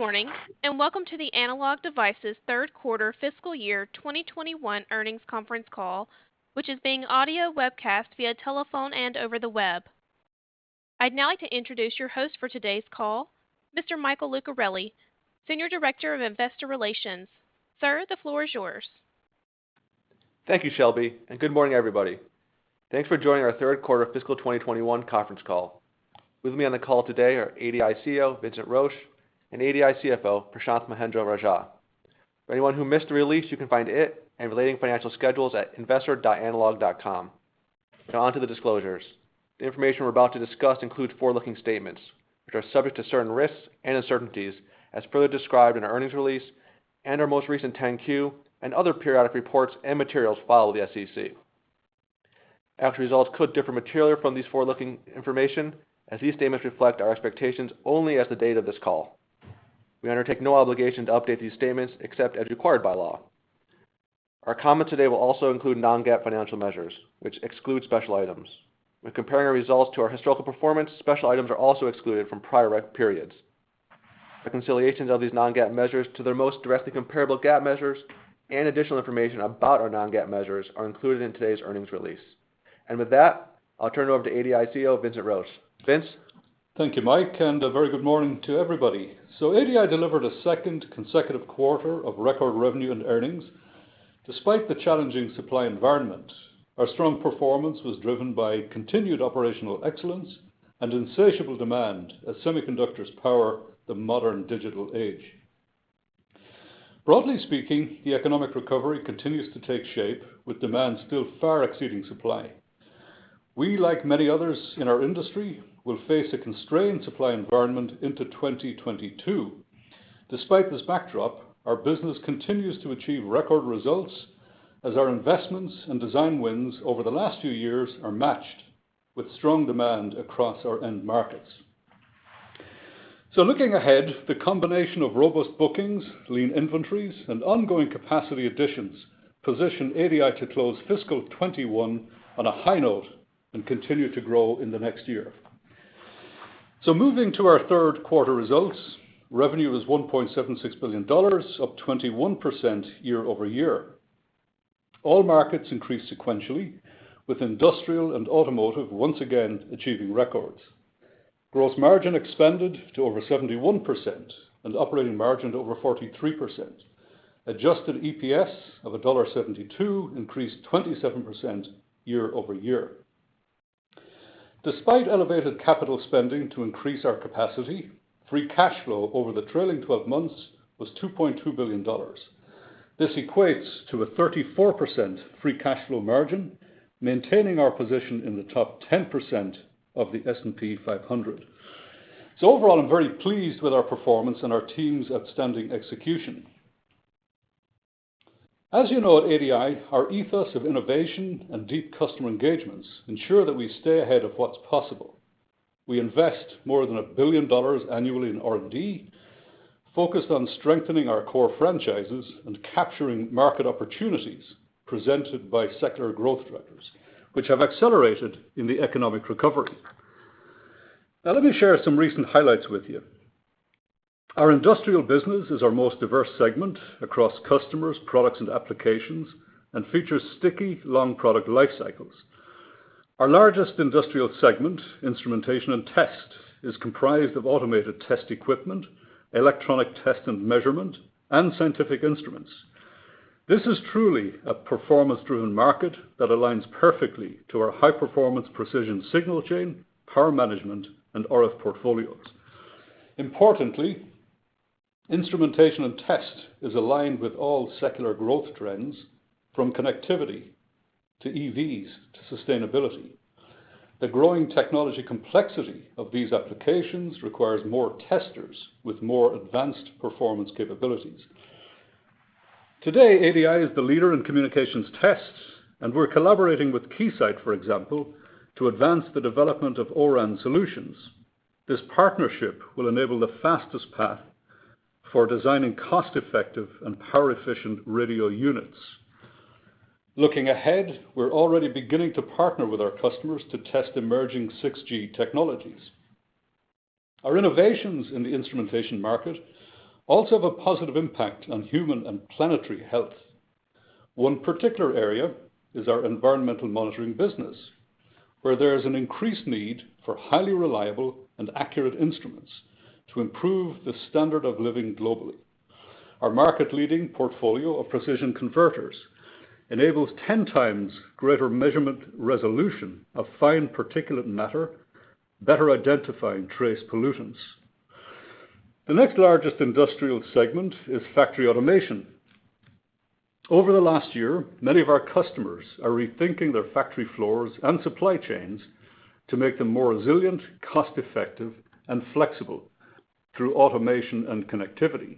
Good morning, and welcome to the Analog Devices' third quarter fiscal year 2021 earnings conference call, which is being audio webcast via telephone and over the web. I'd now like to introduce your host for today's call, Mr. Michael Lucarelli, Senior Director of Investor Relations. Sir, the floor is yours. Thank you, Shelby, and good morning, everybody. Thanks for joining our third quarter fiscal 2021 conference call. With me on the call today are ADI CEO, Vincent Roche, and ADI CFO, Prashanth Mahendra-Rajah. For anyone who missed the release, you can find it and relating financial schedules at investor.analog.com. Now, onto the disclosures. The information we're about to discuss includes forward-looking statements, which are subject to certain risks and uncertainties as further described in our earnings release and our most recent 10-Q and other periodic reports and materials filed with the SEC. Actual results could differ materially from these forward-looking information, as these statements reflect our expectations only as the date of this call. We undertake no obligation to update these statements except as required by law. Our comments today will also include non-GAAP financial measures, which exclude special items. When comparing our results to our historical performance, special items are also excluded from prior periods. The reconciliations of these non-GAAP measures to their most directly comparable GAAP measures and additional information about our non-GAAP measures are included in today's earnings release. With that, I'll turn it over to ADI CEO, Vincent Roche. Vince? Thank you, Mike, and a very good morning to everybody. ADI delivered a second consecutive quarter of record revenue and earnings, despite the challenging supply environment. Our strong performance was driven by continued operational excellence and insatiable demand as semiconductors power the modern digital age. Broadly speaking, the economic recovery continues to take shape with demand still far exceeding supply. We, like many others in our industry, will face a constrained supply environment into 2022. Despite this backdrop, our business continues to achieve record results as our investments and design wins over the last few years are matched with strong demand across our end markets. Looking ahead, the combination of robust bookings, lean inventories, and ongoing capacity additions position ADI to close fiscal 2021 on a high note and continue to grow in the next year. Moving to our third quarter results, revenue was $1.76 billion, up 21% year-over-year. All markets increased sequentially with industrial and automotive once again achieving records. Gross margin expanded to over 71%, and operating margin to over 43%. Adjusted EPS of $1.72 increased 27% year-over-year. Despite elevated capital spending to increase our capacity, free cash flow over the trailing 12 months was $2.2 billion. This equates to a 34% free cash flow margin, maintaining our position in the top 10% of the S&P 500. Overall, I'm very pleased with our performance and our team's outstanding execution. As you know, at ADI, our ethos of innovation and deep customer engagements ensure that we stay ahead of what's possible. We invest more than $1 billion annually in R&D, focused on strengthening our core franchises and capturing market opportunities presented by secular growth drivers, which have accelerated in the economic recovery. Now, let me share some recent highlights with you. Our industrial business is our most diverse segment across customers, products, and applications, and features sticky long product life cycles. Our largest industrial segment, instrumentation and test, is comprised of automated test equipment, electronic test and measurement, and scientific instruments. This is truly a performance-driven market that aligns perfectly to our high-performance precision signal chain, power management, and RF portfolios. Importantly, instrumentation and test is aligned with all secular growth trends, from connectivity to EVs to sustainability. The growing technology complexity of these applications requires more testers with more advanced performance capabilities. Today, ADI is the leader in communications tests, and we're collaborating with Keysight, for example, to advance the development of O-RAN solutions. This partnership will enable the fastest path for designing cost-effective and power-efficient radio units. Looking ahead, we're already beginning to partner with our customers to test emerging 6G technologies. Our innovations in the instrumentation market also have a positive impact on human and planetary health. One particular area is our environmental monitoring business, where there's an increased need for highly reliable and accurate instruments to improve the standard of living globally. Our market-leading portfolio of precision converters enables 10x greater measurement resolution of fine particulate matter, better identifying trace pollutants. The next largest industrial segment is factory automation. Over the last year, many of our customers are rethinking their factory floors and supply chains to make them more resilient, cost-effective, and flexible through automation and connectivity.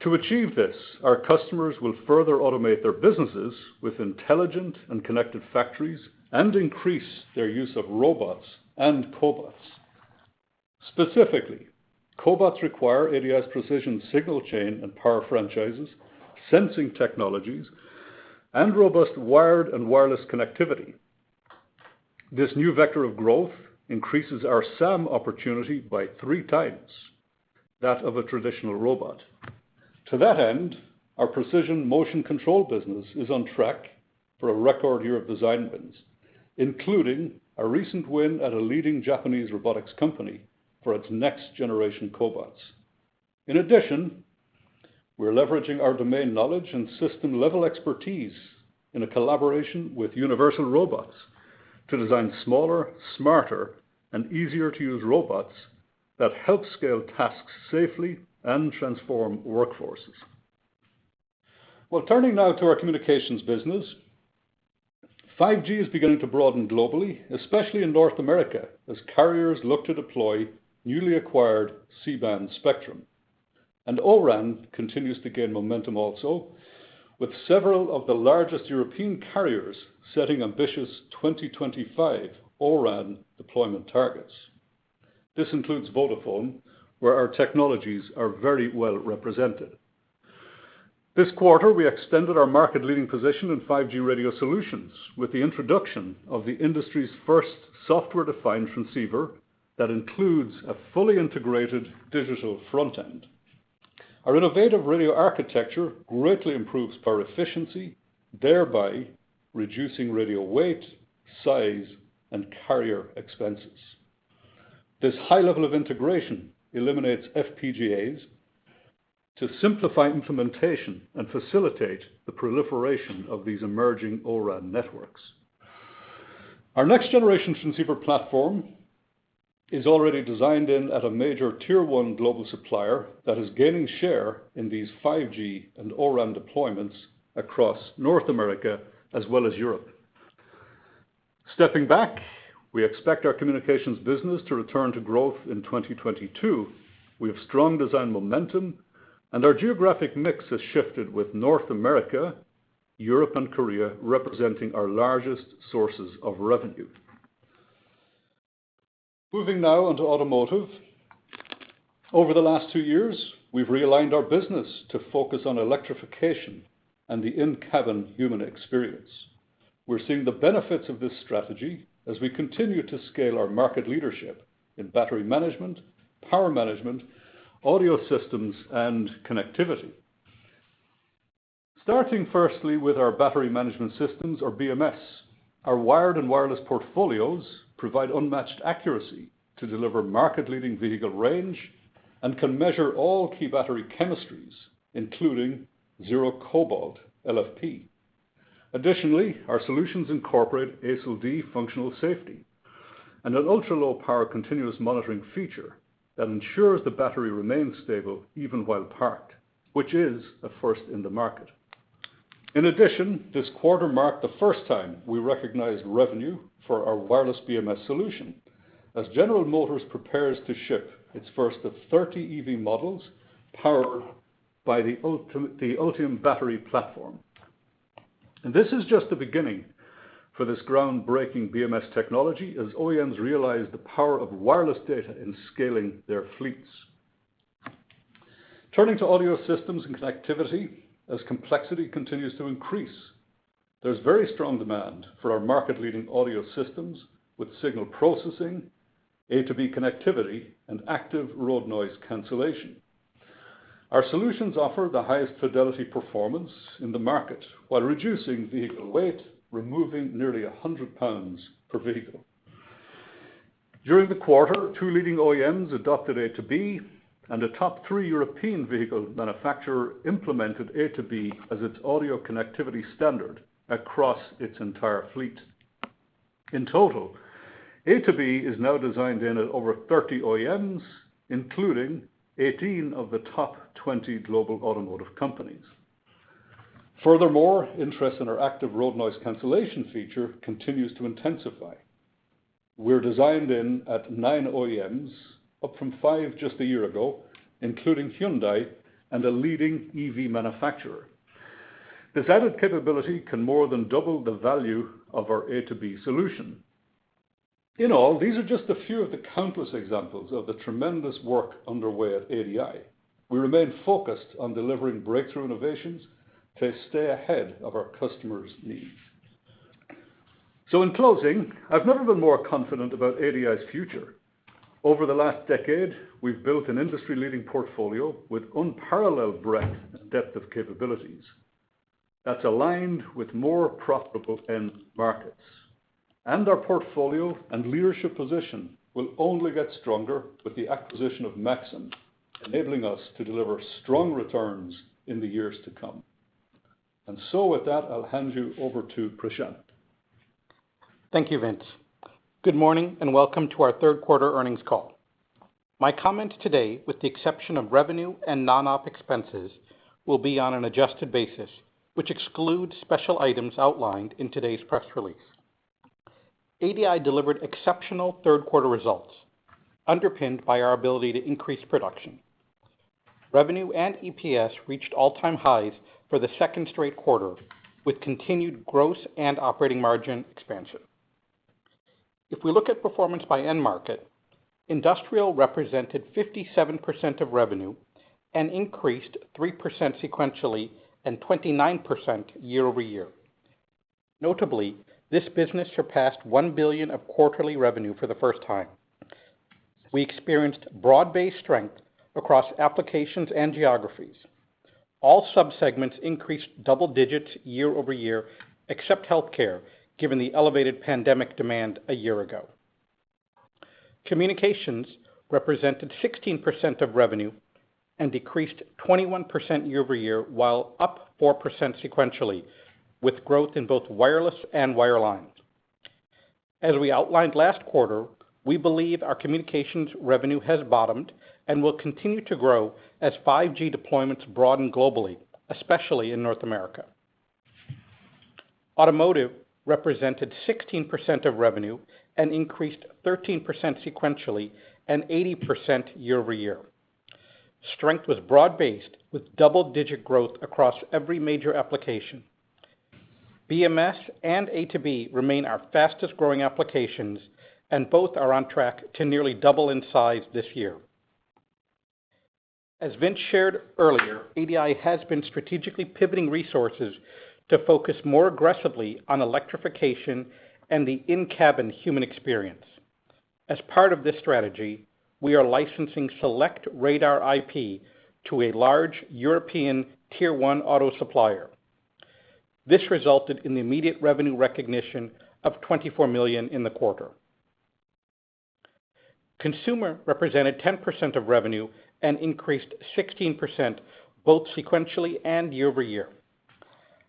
To achieve this, our customers will further automate their businesses with intelligent and connected factories and increase their use of robots and cobots. Specifically, cobots require ADI's precision signal chain and power franchises, sensing technologies, and robust wired and wireless connectivity. This new vector of growth increases our SAM opportunity by 3x that of a traditional robot. To that end, our precision motion control business is on track for a record year of design wins, including a recent win at a leading Japanese robotics company for its next-generation cobots. In addition, we're leveraging our domain knowledge and system-level expertise in a collaboration with Universal Robots to design smaller, smarter, and easier-to-use robots that help scale tasks safely and transform workforces. Well, turning now to our communications business, 5G is beginning to broaden globally, especially in North America, as carriers look to deploy newly acquired C-band spectrum. O-RAN continues to gain momentum also, with several of the largest European carriers setting ambitious 2025 O-RAN deployment targets. This includes Vodafone, where our technologies are very well represented. This quarter, we extended our market-leading position in 5G radio solutions with the introduction of the industry's first software-defined transceiver that includes a fully integrated digital front end. Our innovative radio architecture greatly improves power efficiency, thereby reducing radio weight, size, and carrier expenses. This high level of integration eliminates FPGAs to simplify implementation and facilitate the proliferation of these emerging O-RAN networks. Our next-generation transceiver platform is already designed in at a major Tier 1 global supplier that is gaining share in these 5G and O-RAN deployments across North America as well as Europe. Stepping back, we expect our communications business to return to growth in 2022. We have strong design momentum, and our geographic mix has shifted with North America, Europe, and Korea representing our largest sources of revenue. Moving now onto automotive. Over the last two years, we've realigned our business to focus on electrification and the in-cabin human experience. We're seeing the benefits of this strategy as we continue to scale our market leadership in battery management, power management, audio systems, and connectivity. Starting firstly with our battery management systems, or BMS, our wired and wireless portfolios provide unmatched accuracy to deliver market-leading vehicle range and can measure all key battery chemistries, including zero cobalt LFP. Additionally, our solutions incorporate ASIL-D functional safety and an ultra-low power continuous monitoring feature that ensures the battery remains stable even while parked, which is a first in the market. In addition, this quarter marked the first time we recognized revenue for our wireless BMS solution as General Motors prepares to ship its first of 30 EV models powered by the Ultium battery platform. This is just the beginning for this groundbreaking BMS technology as OEMs realize the power of wireless data in scaling their fleets. Turning to audio systems and connectivity, as complexity continues to increase, there's very strong demand for our market-leading audio systems with signal processing, A²B connectivity, and active road noise cancellation. Our solutions offer the highest fidelity performance in the market while reducing vehicle weight, removing nearly 100 lbs per vehicle. During the quarter, two leading OEMs adopted A²B, and a top 3 European vehicle manufacturer implemented A²B as its audio connectivity standard across its entire fleet. In total, A²B is now designed in at over 30 OEMs, including 18 of the top 20 global automotive companies. Furthermore, interest in our active road noise cancellation feature continues to intensify. We're designed in at nine OEMs, up from five just a year ago, including Hyundai and a leading EV manufacturer. This added capability can more than double the value of our A²B solution. In all, these are just a few of the countless examples of the tremendous work underway at ADI. We remain focused on delivering breakthrough innovations to stay ahead of our customers' needs. In closing, I've never been more confident about ADI's future. Over the last decade, we've built an industry-leading portfolio with unparalleled breadth and depth of capabilities that's aligned with more profitable end markets. Our portfolio and leadership position will only get stronger with the acquisition of Maxim, enabling us to deliver strong returns in the years to come. With that, I'll hand you over to Prashanth. Thank you, Vince. Good morning, and welcome to our third quarter earnings call. My comment today, with the exception of revenue and non-op expenses, will be on an adjusted basis, which excludes special items outlined in today's press release. ADI delivered exceptional third quarter results underpinned by our ability to increase production. Revenue and EPS reached all-time highs for the second straight quarter, with continued gross and operating margin expansion. If we look at performance by end market, industrial represented 57% of revenue and increased 3% sequentially and 29% year-over-year. Notably, this business surpassed $1 billion of quarterly revenue for the first time. We experienced broad-based strength across applications and geographies. All sub-segments increased double-digits year-over-year except healthcare, given the elevated pandemic demand a year ago. Communications represented 16% of revenue and decreased 21% year-over-year, while up 4% sequentially, with growth in both wireless and wireline. As we outlined last quarter, we believe our communications revenue has bottomed and will continue to grow as 5G deployments broaden globally, especially in North America. Automotive represented 16% of revenue and increased 13% sequentially and 80% year-over-year. Strength was broad-based with double-digit growth across every major application. BMS and A²B remain our fastest-growing applications and both are on track to nearly double in size this year. As Vince shared earlier, ADI has been strategically pivoting resources to focus more aggressively on electrification and the in-cabin human experience. As part of this strategy, we are licensing select radar IP to a large European Tier 1 auto supplier. This resulted in the immediate revenue recognition of $24 million in the quarter. Consumer represented 10% of revenue and increased 16% both sequentially and year-over-year.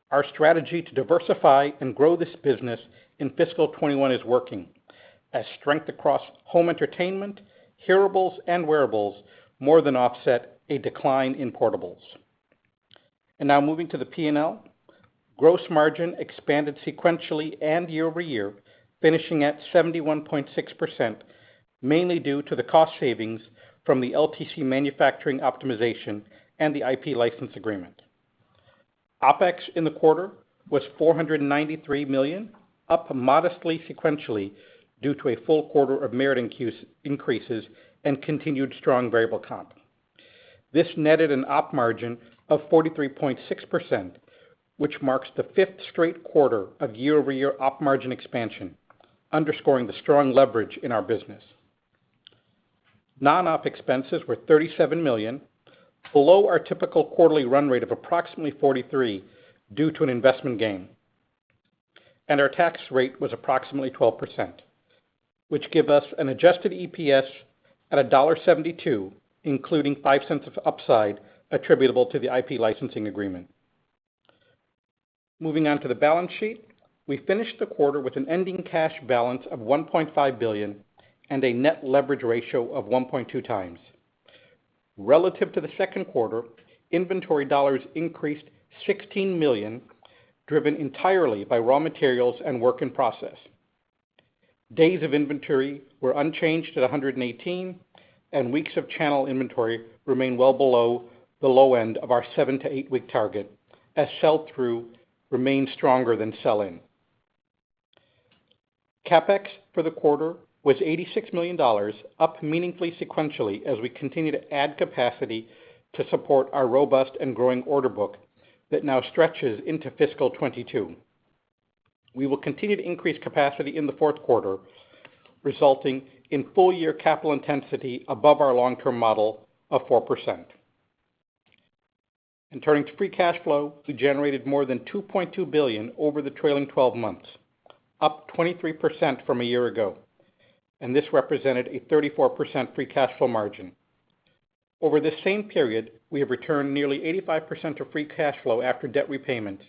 Our strategy to diversify and grow this business in fiscal 2021 is working as strength across home entertainment, hearables, and wearables more than offset a decline in portables. Now, moving to the P&L. Gross margin expanded sequentially and year-over-year, finishing at 71.6%, mainly due to the cost savings from the LTC manufacturing optimization and the IP license agreement. OpEx in the quarter was $493 million, up modestly sequentially due to a full quarter of merit increases and continued strong variable comp. This netted an op margin of 43.6%, which marks the fifth straight quarter of year-over-year op margin expansion, underscoring the strong leverage in our business. Non-op expenses were $37 million, below our typical quarterly run rate of approximately $43 million due to an investment gain. Our tax rate was approximately 12%, which give us an adjusted EPS at $1.72, including $0.05 of upside attributable to the IP licensing agreement. Moving on to the balance sheet. We finished the quarter with an ending cash balance of $1.5 billion and a net leverage ratio of 1.2x. Relative to the second quarter, inventory dollars increased $16 million, driven entirely by raw materials and work in process. Days of inventory were unchanged at 118, and weeks of channel inventory remain well below the low end of our seven- to eight-week target as sell-through remains stronger than sell-in. CapEx for the quarter was $86 million, up meaningfully sequentially as we continue to add capacity to support our robust and growing order book that now stretches into fiscal 2022. We will continue to increase capacity in the fourth quarter, resulting in full year capital intensity above our long-term model of 4%. Turning to free cash flow, we generated more than $2.2 billion over the trailing 12 months, up 23% from a year ago, and this represented a 34% free cash flow margin. Over the same period, we have returned nearly 85% of free cash flow after debt repayments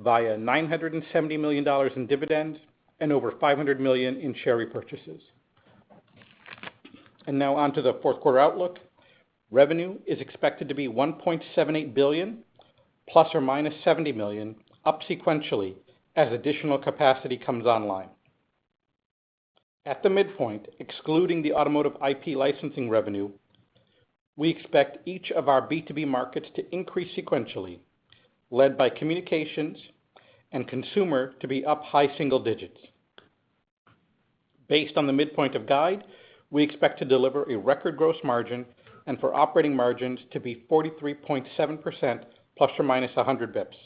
via $970 million in dividends and over $500 million in share repurchases. Now, on to the fourth quarter outlook. Revenue is expected to be $1.78 billion ±$70 million up sequentially as additional capacity comes online. At the midpoint, excluding the automotive IP licensing revenue, we expect each of our B2B markets to increase sequentially, led by communications and consumer to be up high single-digits. Based on the midpoint of guide, we expect to deliver a record gross margin and for operating margins to be 43.7% ±100 basis points.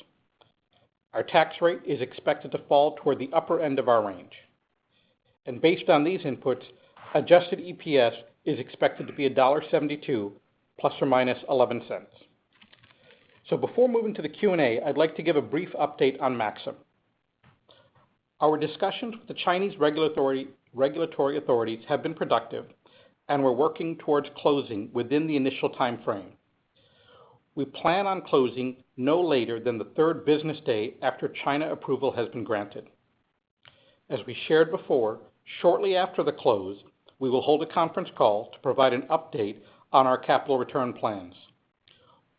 Our tax rate is expected to fall toward the upper end of our range. Based on these inputs, adjusted EPS is expected to be $1.72 ±$0.11. Before moving to the Q&A, I'd like to give a brief update on Maxim. Our discussions with the Chinese regulatory authorities have been productive, and we're working towards closing within the initial timeframe. We plan on closing no later than the third business day after China approval has been granted. As we shared before, shortly after the close, we will hold a conference call to provide an update on our capital return plans.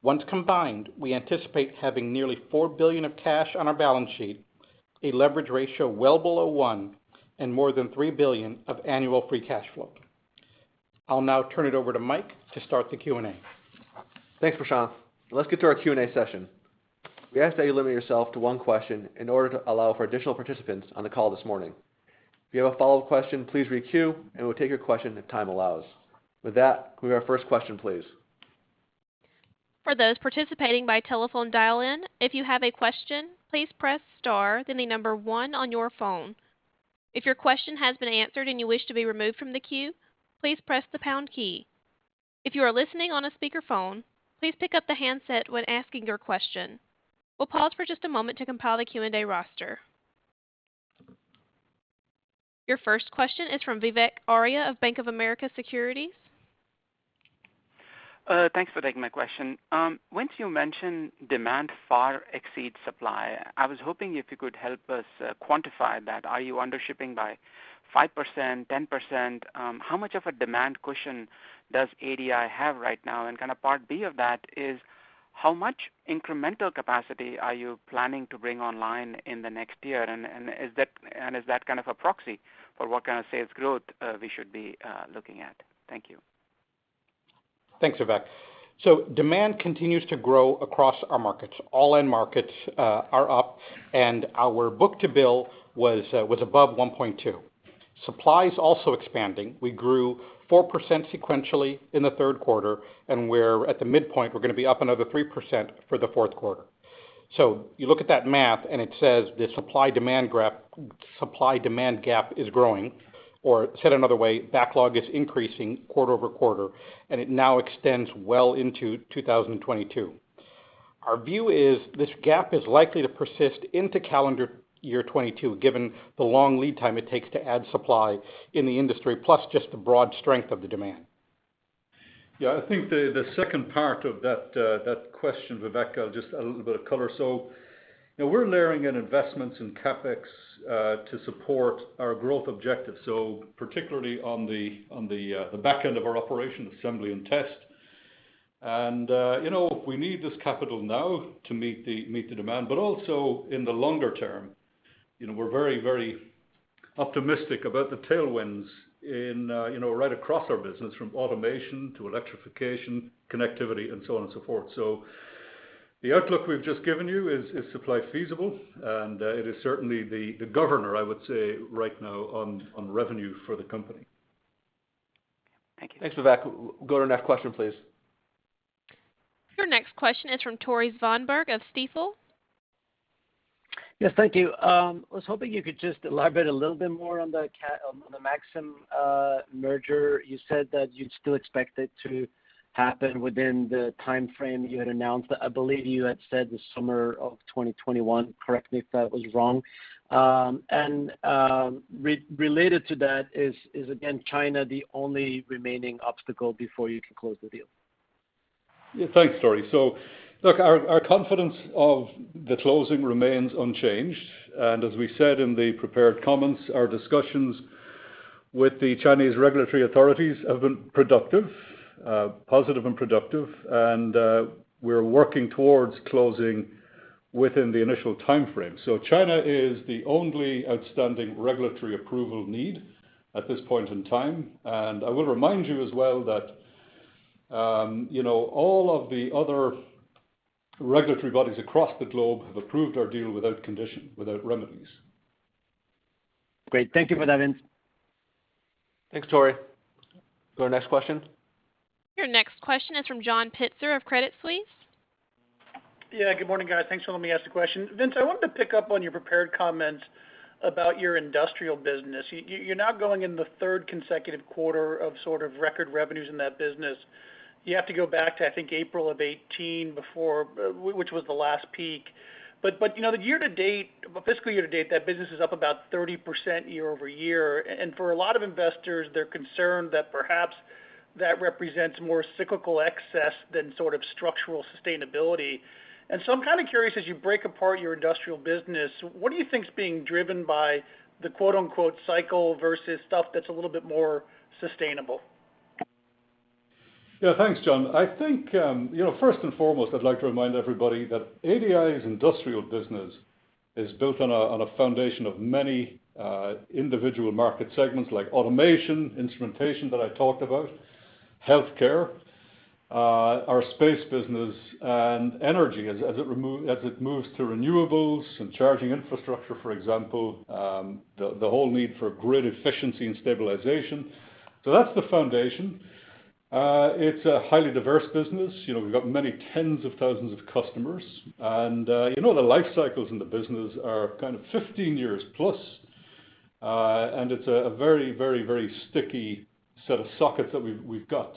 Once combined, we anticipate having nearly $4 billion of cash on our balance sheet, a leverage ratio well below 1x, and more than $3 billion of annual free cash flow. I'll now turn it over to Mike to start the Q&A. Thanks, Prashanth. Let's get to our Q&A session. We ask that you limit yourself to one question in order to allow for additional participants on the call this morning. If you have a follow-up question, please re-queue, and we'll take your question if time allows. With that, can we have our first question please? For those participating by telephone dial-in, if you have a question, please press star then the number one on your phone. If your question has been answered and you wish to be removed from the queue, please press the pound key. If you're listening on a speakerphone, please pick up the handset when asking your question. We'll pause for just a moment to compile the Q&A roster. Your first question is from Vivek Arya of Bank of America Securities. Thanks for taking my question. When you mention demand far exceeds supply, I was hoping if you could help us quantify that. Are you under shipping by 5%, 10%? How much of a demand cushion does ADI have right now? Kind of part B of that is how much incremental capacity are you planning to bring online in the next year, and is that kind of a proxy for what kind of sales growth we should be looking at? Thank you. Thanks, Vivek. Demand continues to grow across our markets. All end markets are up, and our book-to-bill was above 1.2. Supply is also expanding. We grew 4% sequentially in the third quarter, and at the midpoint, we're going to be up another 3% for the fourth quarter. You look at that math and it says the supply-demand gap is growing, or said another way, backlog is increasing quarter-over-quarter, and it now extends well into 2022. Our view is this gap is likely to persist into calendar year 2022, given the long lead time it takes to add supply in the industry, plus just the broad strength of the demand. I think the second part of that question, Vivek, I'll just add a little bit of color. We're layering in investments in CapEx to support our growth objectives, particularly on the back end of our operation assembly and test. We need this capital now to meet the demand, but also in the longer term. We're very, very optimistic about the tailwinds right across our business, from automation to electrification, connectivity, and so on and so forth. The outlook we've just given you is supply feasible, and it is certainly the governor, I would say, right now on revenue for the company. Thank you. Thanks, Vivek. We'll go to our next question, please. Your next question is from Tore Svanberg of Stifel. Yes, thank you. I was hoping you could just elaborate a little bit more on the Maxim merger. You said that you'd still expect it to happen within the timeframe you had announced. I believe you had said the summer of 2021, correct me if that was wrong. Related to that is, again, China the only remaining obstacle before you can close the deal? Thanks, Tore. Look, our confidence of the closing remains unchanged, and as we said in the prepared comments, our discussions with the Chinese regulatory authorities have been positive and productive, and we're working towards closing within the initial timeframe. China is the only outstanding regulatory approval need at this point in time. I will remind you as well that all of the other regulatory bodies across the globe have approved our deal without condition, without remedies. Great. Thank you for that, Vince. Thanks, Tore. Go to our next question. Your next question is from John Pitzer of Credit Suisse. Good morning, guys. Thanks for letting me ask the question. Vince, I wanted to pick up on your prepared comments about your industrial business. You're now going into the third consecutive quarter of sort of record revenues in that business. You have to go back to, I think, April of 2018 before, which was the last peak. The fiscal year to date, that business is up about 30% year-over-year. For a lot of investors, they're concerned that perhaps that represents more cyclical excess than sort of structural sustainability. I'm kind of curious, as you break apart your industrial business, what do you think is being driven by the "cycle" versus stuff that's a little bit more sustainable? Thanks, John. I think, first and foremost, I'd like to remind everybody that ADI's industrial business is built on a foundation of many individual market segments, like automation, instrumentation that I talked about, healthcare, our space business, and energy as it moves to renewables and charging infrastructure, for example, the whole need for grid efficiency and stabilization. That's the foundation. It's a highly diverse business. We've got many tens of thousands of customers, and the life cycles in the business are kind of 15+ years. And it's a very, very, very sticky set of sockets that we've got.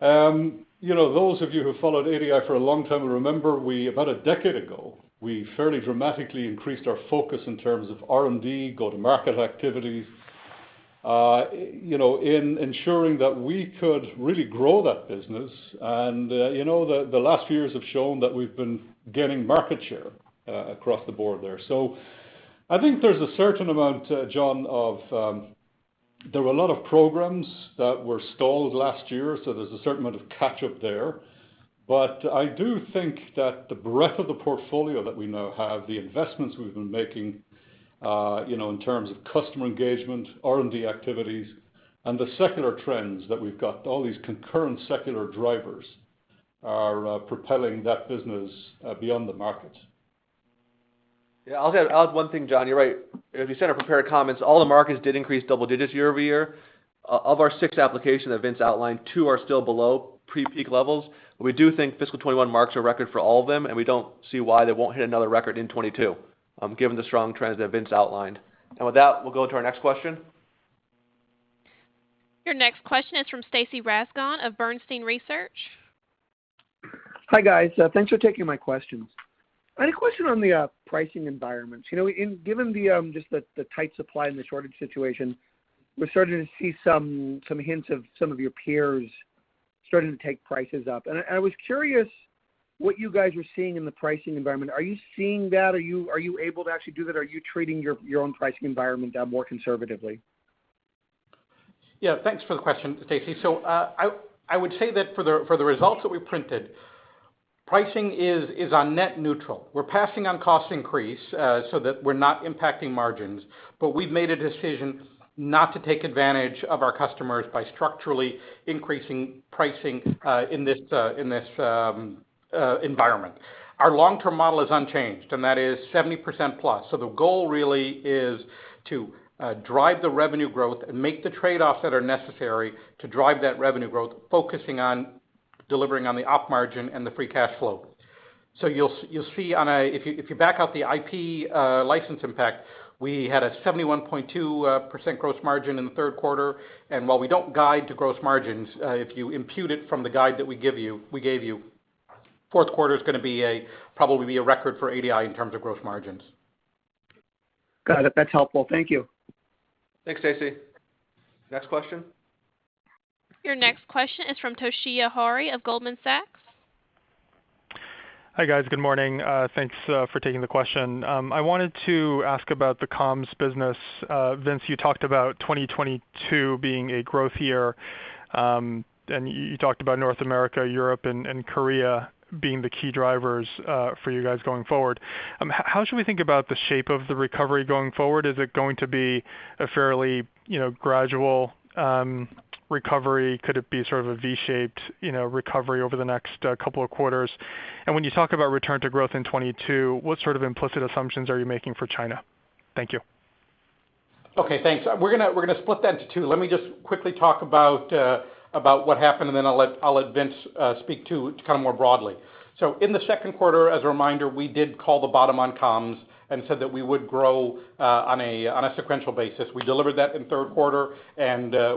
Those of you who have followed ADI for a long time will remember about a decade ago, we fairly dramatically increased our focus in terms of R&D, go-to-market activities in ensuring that we could really grow that business. The last few years have shown that we've been gaining market share across the board there. I think there's a certain amount, John, of—there were a lot of programs that were stalled last year, so there's a certain amount of catch-up there. I do think that the breadth of the portfolio that we now have, the investments we've been making in terms of customer engagement, R&D activities, and the secular trends that we've got, all these concurrent secular drivers are propelling that business beyond the market. I'll add one thing, John. You're right. As you said in our prepared comments, all the markets did increase double-digits year-over-year. Of our six applications that Vince outlined, two are still below pre-peak levels. We do think fiscal 2021 marks a record for all of them, and we don't see why they won't hit another record in 2022, given the strong trends that Vince outlined. With that, we'll go to our next question. Your next question is from Stacy Rasgon of Bernstein Research. Hi, guys. Thanks for taking my questions. I had a question on the pricing environments. Given just the tight supply and the shortage situation, we're starting to see some hints of some of your peers starting to take prices up. I was curious what you guys are seeing in the pricing environment. Are you seeing that? Are you able to actually do that? Are you treating your own pricing environment more conservatively? Thanks for the question, Stacy. I would say that for the results that we printed, pricing is on net neutral. We're passing on cost increase so that we're not impacting margins, but we've made a decision not to take advantage of our customers by structurally increasing pricing in this environment. Our long-term model is unchanged, and that is 70%+. The goal really is to drive the revenue growth and make the trade-offs that are necessary to drive that revenue growth, focusing on delivering on the op margin and the free cash flow. You'll see, if you back out the IP license impact, we had a 71.2% gross margin in the third quarter, and while we don't guide to gross margins, if you impute it from the guide that we gave you, fourth quarter's going to probably be a record for ADI in terms of gross margins. Got it. That's helpful. Thank you. Thanks, Stacy. Next question. Your next question is from Toshiya Hari of Goldman Sachs. Hi, guys. Good morning. Thanks for taking the question. I wanted to ask about the comms business. Vince, you talked about 2022 being a growth year. You talked about North America, Europe, and Korea being the key drivers for you guys going forward. How should we think about the shape of the recovery going forward? Is it going to be a fairly gradual recovery? Could it be sort of a V-shaped recovery over the next couple of quarters? When you talk about return to growth in 2022, what sort of implicit assumptions are you making for China? Thank you. Okay, thanks. We're going to split that into two. Let me just quickly talk about what happened, then I'll let Vince speak to it more broadly. In the second quarter, as a reminder, we did call the bottom on comms and said that we would grow on a sequential basis. We delivered that in the third quarter,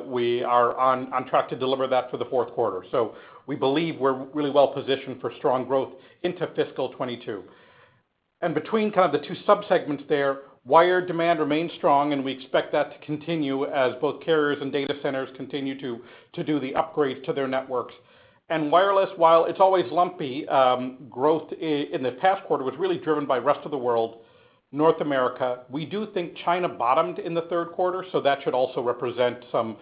we are on track to deliver that for the fourth quarter. We believe we're really well-positioned for strong growth into fiscal 2022. Between the two sub-segments there, wired demand remains strong, we expect that to continue as both carriers and data centers continue to do the upgrades to their networks. Wireless, while it's always lumpy, growth in the past quarter was really driven by rest of the world, North America. We do think China bottomed in the third quarter. That should also represent some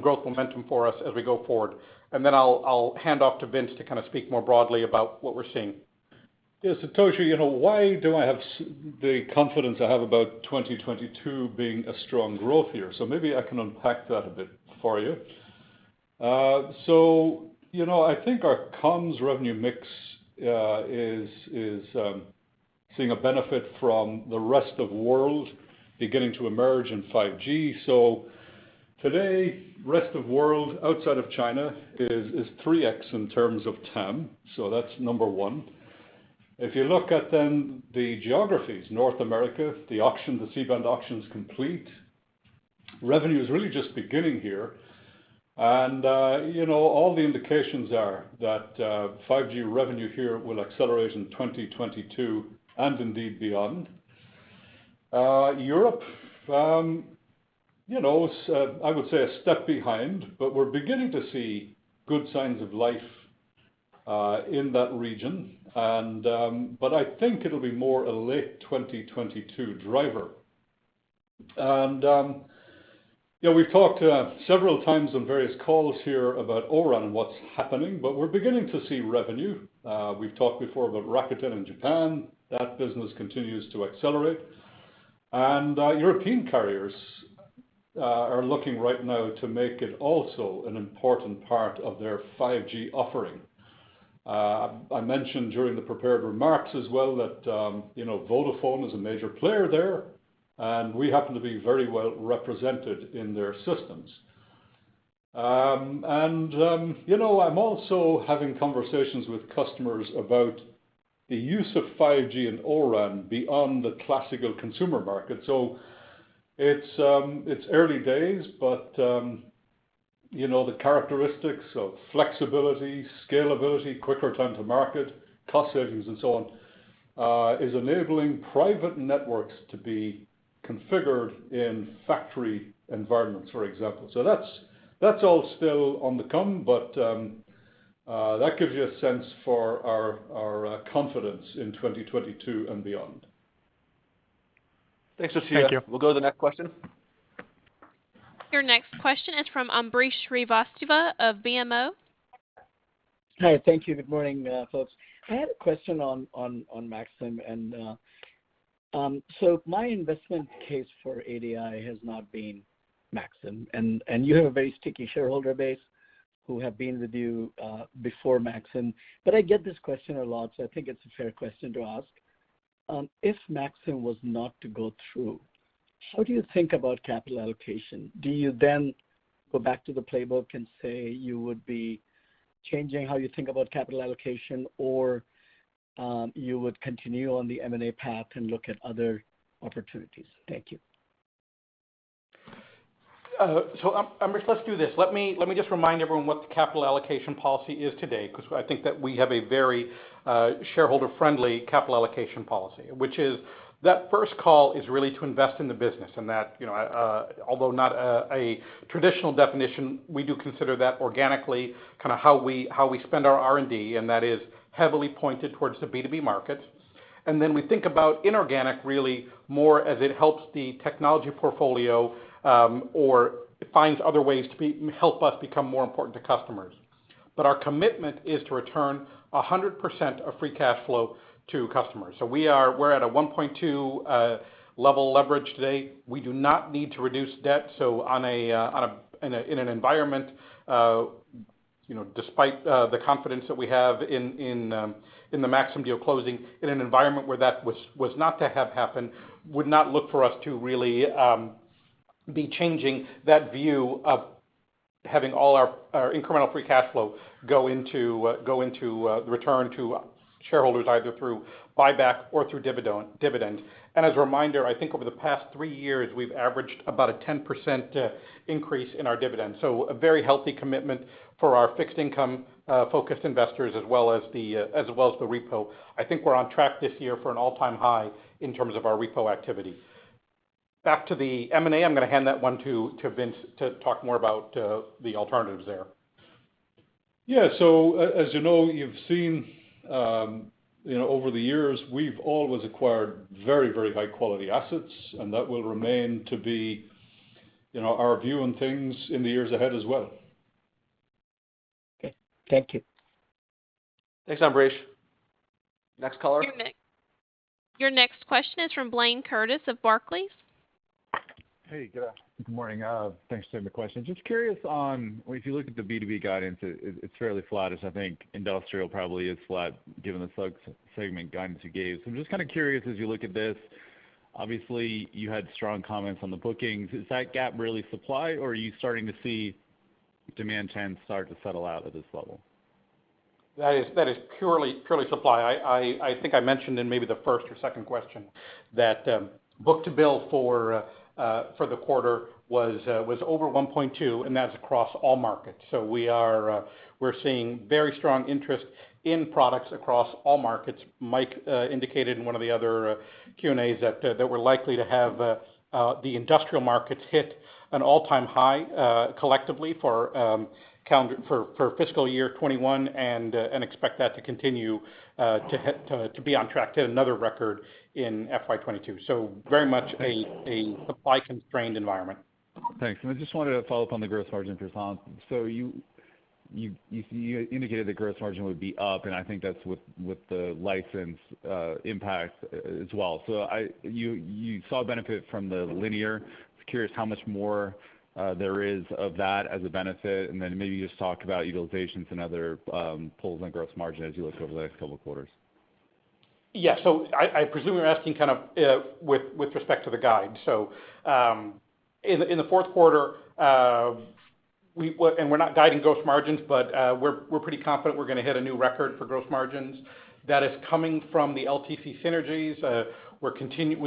growth momentum for us as we go forward. Then I'll hand off to Vince to speak more broadly about what we're seeing. Toshiya, why do I have the confidence I have about 2022 being a strong growth year? Maybe I can unpack that a bit for you. I think our comms revenue mix is seeing a benefit from the rest of world beginning to emerge in 5G. Today, rest of world outside of China is 3x in terms of TAM, that's number one. If you look at then the geographies, North America, the C-band auction's complete. Revenue is really just beginning here. All the indications are that 5G revenue here will accelerate in 2022 and indeed beyond. Europe, I would say a step behind, but we're beginning to see good signs of life in that region. I think it'll be more a late 2022 driver. We've talked several times on various calls here about O-RAN and what's happening. We're beginning to see revenue. We've talked before about Rakuten in Japan. That business continues to accelerate. European carriers are looking right now to make it also an important part of their 5G offering. I mentioned during the prepared remarks as well that Vodafone is a major player there. We happen to be very well represented in their systems. I'm also having conversations with customers about the use of 5G and O-RAN beyond the classical consumer market. It's early days. The characteristics of flexibility, scalability, quicker time to market, cost savings, and so on, is enabling private networks to be configured in factory environments, for example. That's all still on the come. That gives you a sense for our confidence in 2022 and beyond. Thanks, Toshiya. Thank you. We'll go to the next question. Your next question is from Ambrish Srivastava of BMO. Hi. Thank you. Good morning, folks. I had a question on Maxim. My investment case for ADI has not been Maxim, and you have a very sticky shareholder base who have been with you before Maxim, but I get this question a lot, so I think it's a fair question to ask. If Maxim was not to go through, how do you think about capital allocation? Do you then go back to the playbook and say you would be changing how you think about capital allocation, or you would continue on the M&A path and look at other opportunities? Thank you. Ambrish, let's do this. Let me just remind everyone what the capital allocation policy is today, because I think that we have a very shareholder-friendly capital allocation policy, which is that first call is really to invest in the business. ALthough not a traditional definition, we do consider that organically kind of how we spend our R&D, and that is heavily pointed towards the B2B market. Then we think about inorganic really more as it helps the technology portfolio, or finds other ways to help us become more important to customers. Our commitment is to return 100% of free cash flow to customers. We're at a 1.2x level leverage today. We do not need to reduce debt. Despite the confidence that we have in the Maxim deal closing, in an environment where that was not to have happen, would not look for us to really be changing that view of having all our incremental free cash flow return to shareholders, either through buyback or through dividend. As a reminder, I think over the past three years, we've averaged about a 10% increase in our dividend. A very healthy commitment for our fixed-income focused investors as well as the repo. I think we're on track this year for an all-time high in terms of our repo activity. Back to the M&A, I'm going to hand that one to Vince to talk more about the alternatives there. As you know, you've seen over the years, we've always acquired very high quality assets, and that will remain to be our view on things in the years ahead as well. Okay. Thank you. Thanks, Ambrish. Next caller. Your next question is from Blayne Curtis of Barclays. Hey. Good morning. Thanks for taking the question. Just curious on—if you look at the B2B guidance, it's fairly flat as I think industrial probably is flat given the segment guidance you gave. I'm just kind of curious as you look at this, obviously you had strong comments on the bookings. Is that gap really supply, or are you starting to see demand trends start to settle out at this level? That is purely supply. I think I mentioned in maybe the first or second question that book-to-bill for the quarter was over 1.2, and that's across all markets. We're seeing very strong interest in products across all markets. Mike indicated in one of the other Q&As that we're likely to have the industrial markets hit an all-time high collectively for fiscal year 2021, and expect that to continue to be on track to hit another record in FY 2022. Very much a supply-constrained environment. Thanks. I just wanted to follow up on the gross margin for Prashanth. You indicated the gross margin would be up, and I think that's with the license impact as well. You saw benefit from the Linear. Just curious how much more there is of that as a benefit, and then maybe just talk about utilizations and other pulls on gross margin as you look over the next two quarters. I presume you're asking kind of with respect to the guide. In the fourth quarter, we're not guiding gross margins, we're pretty confident we're going to hit a new record for gross margins. That is coming from the LTC synergies.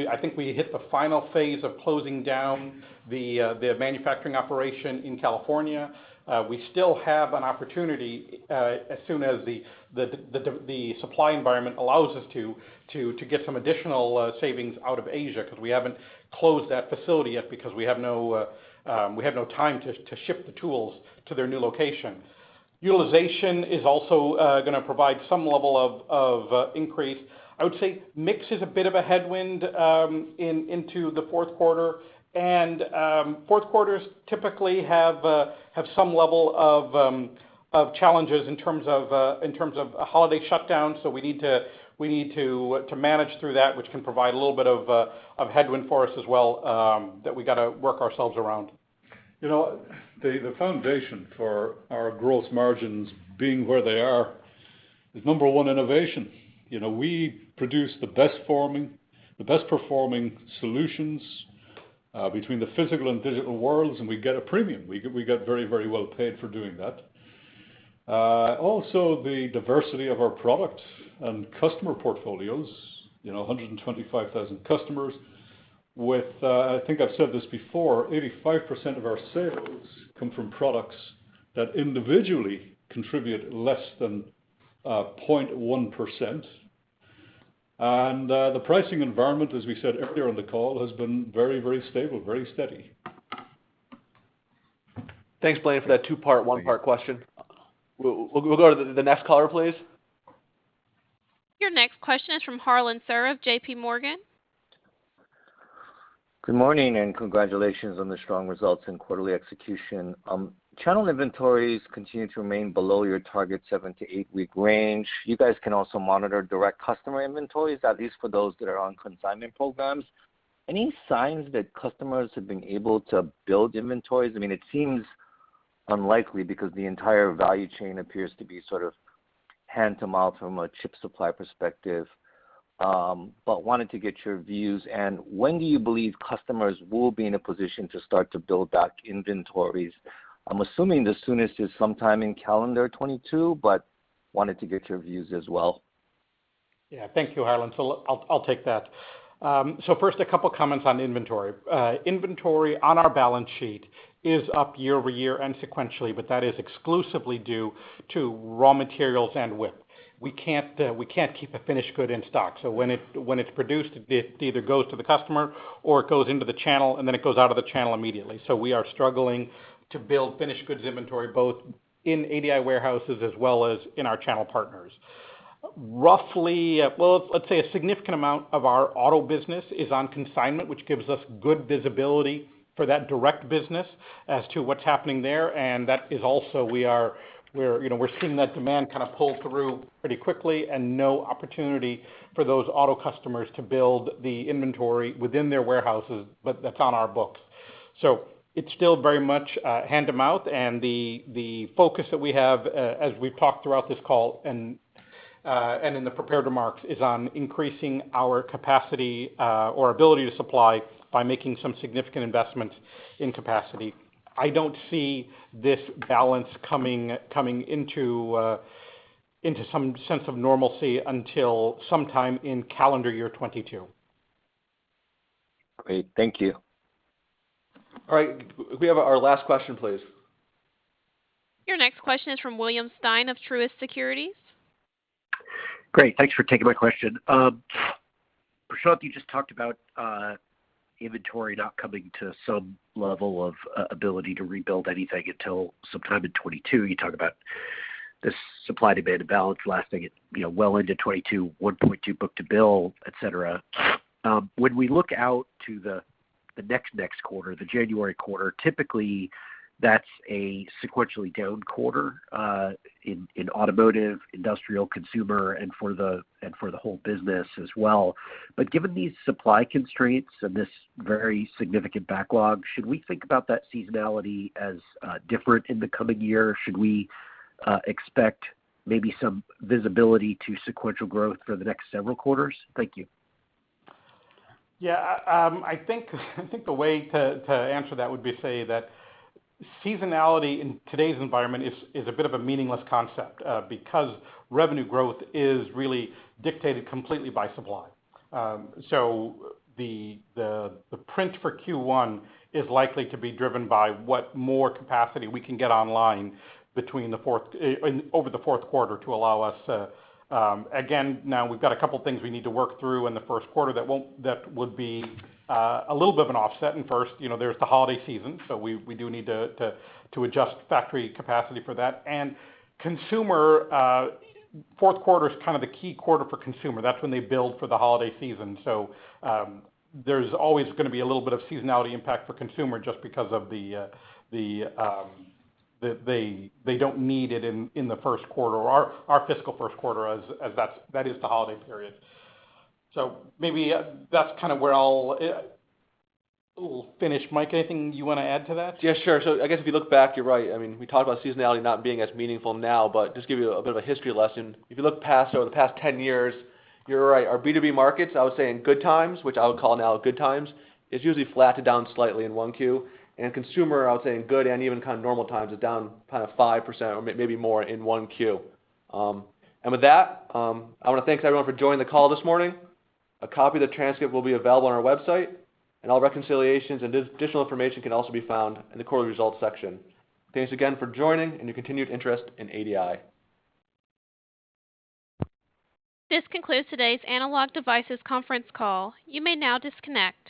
I think we hit the final phase of closing down the manufacturing operation in California. We still have an opportunity as soon as the supply environment allows us to to get some additional savings out of Asia because we haven't closed that facility yet because we have no time to ship the tools to their new location. Utilization is also going to provide some level of increase. I would say mix is a bit of a headwind into the fourth quarter. Fourth quarters typically have some level of challenges in terms of holiday shutdown, so we need to manage through that, which can provide a little bit of headwind for us as well that we got to work ourselves around. The foundation for our growth margins being where they are is number one, innovation. We produce the best-performing solutions between the physical and digital worlds, and we get a premium. We get very, very well paid for doing that. Also, the diversity of our product and customer portfolios, 125,000 customers with, I think I've said this before, 85% of our sales come from products that individually contribute less than 0.1%. The pricing environment, as we said earlier on the call, has been very stable, very steady. Thanks, Blayne, for that two-part, one-part question. We'll go to the next caller, please. Your next question is from Harlan Sur of JPMorgan. Good morning. Congratulations on the strong results and quarterly execution. Channel inventories continue to remain below your target seven- to eight-week range. You guys can also monitor direct customer inventories, at least for those that are on consignment programs. Any signs that customers have been able to build inventories? It seems unlikely because the entire value chain appears to be sort of hand-to-mouth from a chip supply perspective. I wanted to get your views. When do you believe customers will be in a position to start to build back inventories? I'm assuming the soonest is sometime in calendar 2022, but wanted to get your views as well. Thank you, Harlan. I'll take that. First, a couple of comments on inventory. Inventory on our balance sheet is up year-over-year and sequentially, that is exclusively due to raw materials and WIP. We can't keep a finished good in stock. When it's produced, it either goes to the customer or it goes into the channel, it goes out of the channel immediately. We are struggling to build finished goods inventory, both in ADI warehouses as well as in our channel partners. Roughly, well, let's say a significant amount of our auto business is on consignment, which gives us good visibility for that direct business as to what's happening there. That is also, we're seeing that demand kind of pull through pretty quickly and no opportunity for those auto customers to build the inventory within their warehouses, but that's on our books. It's still very much hand-to-mouth, and the focus that we have, as we've talked throughout this call and in the prepared remarks, is on increasing our capacity or ability to supply by making some significant investments in capacity. I don't see this balance coming into some sense of normalcy until sometime in calendar year 2022. Great. Thank you. All right. Can we have our last question, please? Your next question is from William Stein of Truist Securities. Great. Thanks for taking my question. Prashanth, you just talked about inventory not coming to some level of ability to rebuild anything until sometime in 2022. You talked about the supply-demand balance lasting well into 2022, 1.2 book-to-bill, et cetera. When we look out to the next quarter, the January quarter, typically that's a sequentially down quarter in automotive, industrial, consumer, and for the whole business as well. Given these supply constraints and this very significant backlog, should we think about that seasonality as different in the coming year? Should we expect maybe some visibility to sequential growth for the next several quarters? Thank you. I think the way to answer that would be say that seasonality in today's environment is a bit of a meaningless concept, because revenue growth is really dictated completely by supply. The print for Q1 is likely to be driven by what more capacity we can get online over the fourth quarter to allow us. Again, now we've got a couple of things we need to work through in the first quarter that would be a little bit of an offset. First, there's the holiday season, so we do need to adjust factory capacity for that. Fourth quarter is kind of the key quarter for consumer. That's when they build for the holiday season. There's always going to be a little bit of seasonality impact for consumer just because they don't need it in the first quarter, our fiscal first quarter, as that is the holiday period. Maybe that's kind of where I'll finish. Mike, anything you want to add to that? Sure. I guess if you look back, you're right. We talk about seasonality not being as meaningful now, but just give you a bit of a history lesson. If you look over the past 10 years, you're right. Our B2B markets, I would say in good times, which I would call now good times, is usually flat to down slightly in 1Q. Consumer, I would say in good and even kind of normal times, is down kind of 5% or maybe more in 1Q. With that, I want to thank everyone for joining the call this morning. A copy of the transcript will be available on our website, and all reconciliations and additional information can also be found in the quarterly results section. Thanks again for joining and your continued interest in ADI. This concludes today's Analog Devices conference call. You may now disconnect.